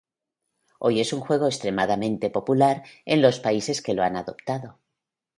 Hoy es un juego extremadamente popular en los países que lo han adoptado.